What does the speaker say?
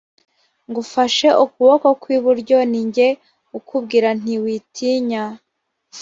ngufashe ukuboko kw iburyo ni jye ukubwira nti witinya